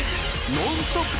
ノンストップ！